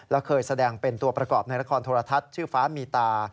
และเคยแสดงเป็นตัวประกอบในละครโทรทัศน์ชื่อฟ้ามีตา